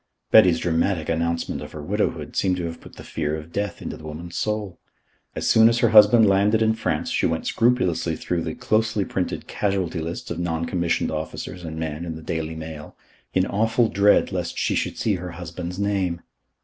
Betty's dramatic announcement of her widowhood seemed to have put the fear of death into the woman's soul. As soon as her husband landed in France she went scrupulously through the closely printed casualty lists of non commissioned officers and men in The Daily Mail, in awful dread lest she should see her husband's name.